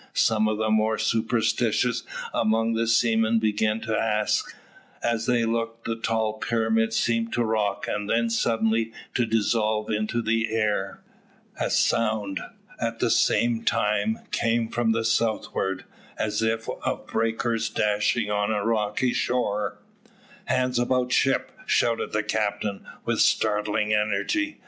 some of the more superstitious among the seamen began to ask. As they looked, the tall pyramid seemed to rock, and then suddenly to dissolve into the air. A sound, at the same time, came from the southward, as if of breakers dashing on a rocky shore. "Hands about ship," shouted the captain, with startling energy.